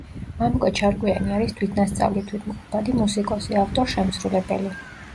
მამუკა ჩარკვიანი არის თვითნასწავლი, თვითმყოფადი მუსიკოსი, ავტორ-შემსრულებელი.